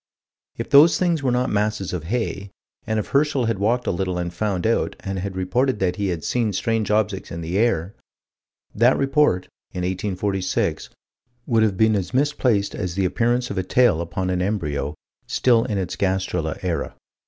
If those things were not masses of hay, and if Herschel had walked a little and found out, and had reported that he had seen strange objects in the air that report, in 1846, would have been as misplaced as the appearance of a tail upon an embryo still in its gastrula era.